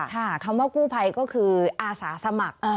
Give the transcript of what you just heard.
คำว่ากู้ภัยก็คืออาสาสมัคร